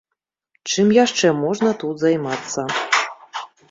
Чым яшчэ можна тут займацца?